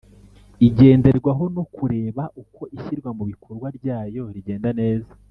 igenderwaho no kureba uko ishyirwa mu bikorwa ryayo rigenda neza.